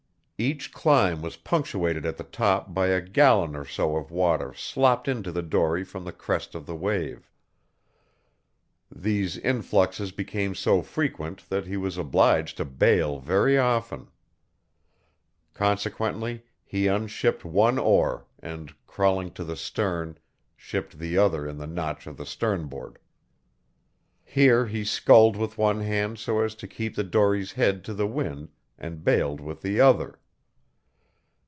Each climb was punctuated at the top by a gallon or so of water slopped into the dory from the crest of the wave. These influxes became so frequent that he was obliged to bail very often. Consequently he unshipped one oar and, crawling to the stern, shipped the other in the notch of the sternboard. Here he sculled with one hand so as to keep the dory's head to the wind, and bailed with the other.